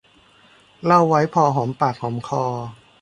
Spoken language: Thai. เล่าไว้พอหอมปากหอมคอ